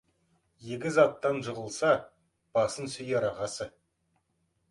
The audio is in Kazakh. Егіз аттан жығылса, басын сүйер ағасы.